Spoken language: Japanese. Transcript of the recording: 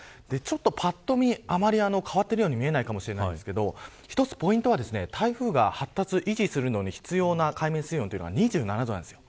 ぱっと見あんまり変わっているように見えないかもしれないんですが一つポイントは台風が発達、維持するのに必要な海面水温が２７度なんです。